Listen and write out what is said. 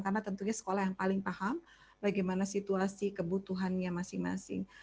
karena tentunya sekolah yang paling paham bagaimana situasi kebutuhannya masing masing